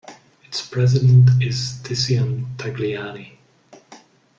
Its president is Titian Tagliani.